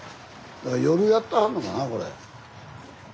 だから夜やってはんのかなこれ。